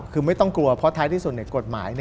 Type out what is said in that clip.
คือไม่ต้องกลัวเพราะท้ายที่สุดกฎหมาย